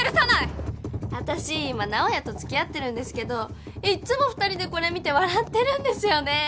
私今直也と付き合ってるんですけどいっつも２人でこれ見て笑ってるんですよね。